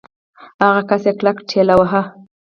هغه کس يې کلک ټېلوهه.